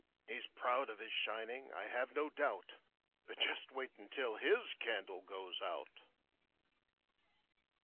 ''He's proud of his shining, I have no doubt, But just wait until his candle goes out!"